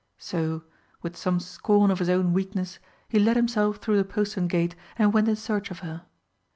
So, with some scorn of his own weakness, he let himself through the postern gate and went in search of her.